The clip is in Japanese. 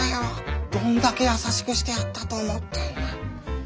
どんだけ優しくしてやったと思ってんだ。